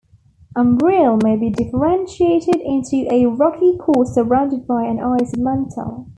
Umbriel may be differentiated into a rocky core surrounded by an icy mantle.